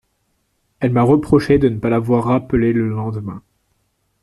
Elle m'a reproché de ne pas l'avoir rappelée le lendemain.